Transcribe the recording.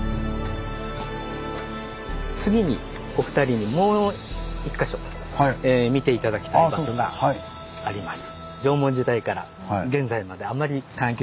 次にお二人にもう１か所見て頂きたい場所があります。